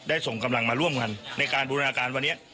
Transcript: ส่งกำลังมาร่วมกันในการบูรณาการวันนี้